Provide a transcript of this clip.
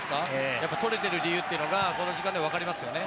やっぱり取れている理由がこの時間でわかりますね。